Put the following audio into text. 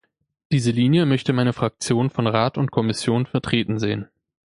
Diese Linie möchte meine Fraktion von Rat und Kommission vertreten sehen.